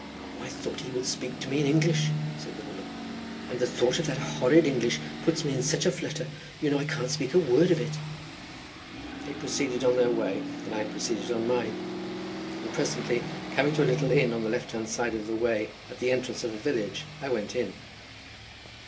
"O, I thought he would speak to me in English," said the woman, "and the thought of that horrid English puts me into such a flutter; you know I can't speak a word of it." They proceeded on their way, and I proceeded on mine, and presently coming to a little inn on the left side of the way, at the entrance of a village, I went in.